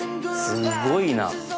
すごいな。